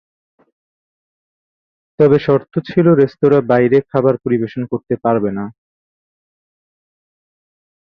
তবে শর্ত ছিলো রেস্তোরাঁ বাইরে খাবার পরিবেশন করতে পারবে না।